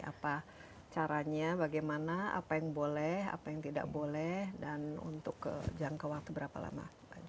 apa caranya bagaimana apa yang boleh apa yang tidak boleh dan untuk jangka waktu berapa lama